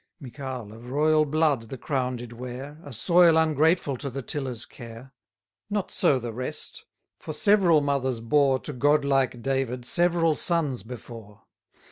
10 Michal, of royal blood, the crown did wear; A soil ungrateful to the tiller's care: Not so the rest; for several mothers bore To god like David several sons before.